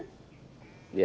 jadi lu mimpi lu sama allah